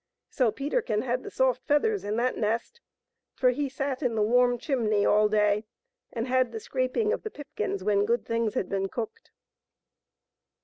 So Peterkin had the soft feathers in that nest, for he sat in the warm chimney all day, and had the scraping of the pipkins when good things had been cooked.